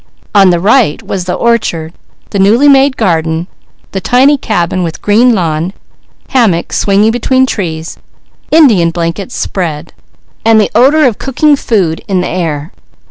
On the right was the orchard, the newly made garden, the tiny cabin with green lawn, hammocks swinging between trees, Indian blankets spread, and the odour of cooking food in the air.